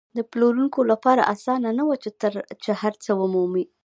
د پلورونکو لپاره اسانه نه وه چې هر څه ومومي.